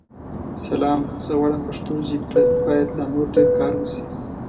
سلام؛ زه غواړم پښتو ژابې ته بايد لا نور ډير کار وشې.